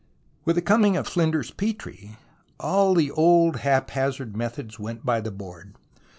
With the coming of Flinders Petrie, all the old, haphazard methods went by the board.